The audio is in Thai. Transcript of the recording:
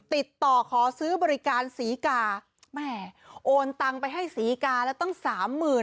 ติดต่อขอซื้อบริการศรีกาแม่โอนตังไปให้ศรีกาแล้วตั้งสามหมื่น